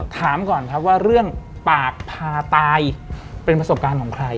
ถามก่อนครับว่าเรื่องปากพาตายเป็นประสบการณ์ของใคร